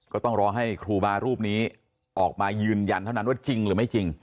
ก็ต้องรอให้ครูบารูปนี้ออกมายืนยันเท่านั้นว่าจริงหรือไม่จริง